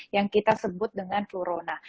yang kita sebut dengan flurona